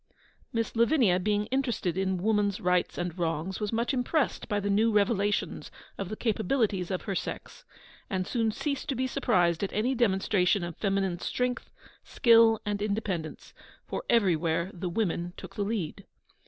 Miss Lavinia being interested in Woman's Rights and Wrongs, was much impressed by the new revelations of the capabilities of her sex, and soon ceased to be surprised at any demonstration of feminine strength, skill, and independence, for everywhere the women took the lead.